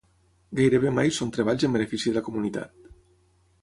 Gairebé mai són treballs en benefici de la comunitat.